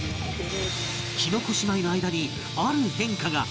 きのこ姉妹の間にある変化が